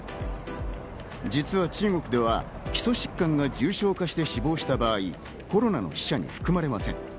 実は中国では基礎疾患が重症化して死亡した場合、コロナの死者に含まれません。